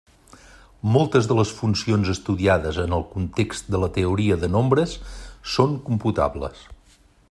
Moltes de les funcions estudiades en el context de la teoria de nombres són computables.